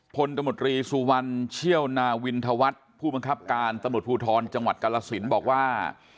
ตมตรีสุวรรณเชี่ยวนาวินธวัฒน์ผู้บังคับการตำรวจภูทรจังหวัดกรสินบอกว่า